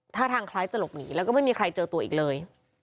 ท่าทางคล้ายจะหลบหนีแล้วก็ไม่มีใครเจอตัวอีกเลย